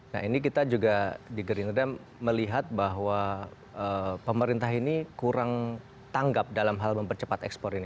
nah ini kita juga di gerindra melihat bahwa pemerintah ini kurang tanggap dalam hal mempercepat ekspor ini